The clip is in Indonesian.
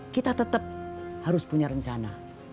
kita tetap harus punya rencana